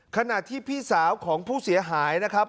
ขณะที่พี่สาวของผู้เสียหายนะครับ